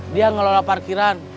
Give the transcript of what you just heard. dia ngelola parkiran